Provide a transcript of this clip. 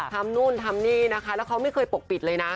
นู่นทำนี่นะคะแล้วเขาไม่เคยปกปิดเลยนะ